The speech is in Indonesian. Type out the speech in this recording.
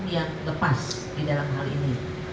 yang lepas di dalam hal ini